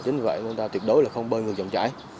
chính vì vậy chúng ta tuyệt đối không bơi ngược vòng chải